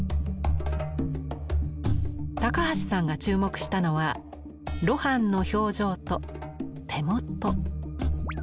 高橋さんが注目したのは露伴の表情と手元。